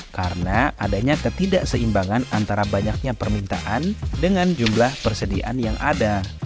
karena adanya ketidakseimbangan antara banyaknya permintaan dengan jumlah persediaan yang ada